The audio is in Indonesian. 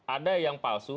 ada yang palsu